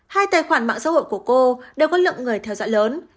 hai tài khoản mạng xã hội của cô đều có lượng người theo dõi lớn